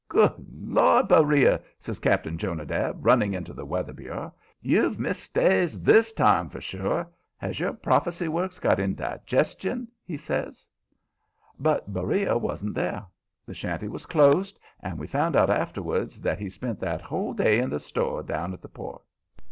"Good Lord! Beriah," says Cap'n Jonadab, running into the Weather Bureau, "you've missed stays THIS time, for sure. Has your prophecy works got indigestion?" he says. But Beriah wasn't there. The shanty was closed, and we found out afterwards that he spent that whole day in the store down at the Port.